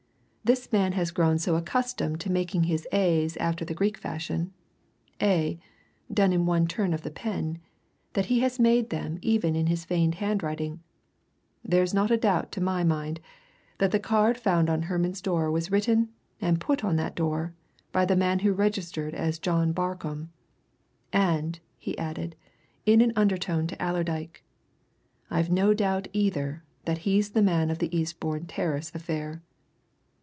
This man has grown so accustomed to making his a's after the Greek fashion a done in one turn of the pen that he has made them even in his feigned handwriting! There's not a doubt, to my mind, that the card found on Herman's door was written, and put on that door, by the man who registered as John Barcombe. And," he added in an undertone to Allerdyke, "I've no doubt, either, that he's the man of the Eastbourne Terrace affair."